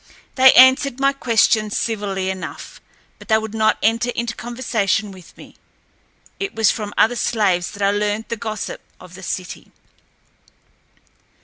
They answered my questions civilly enough, but they would not enter into conversation with me. It was from other slaves that I learned the gossip of the city.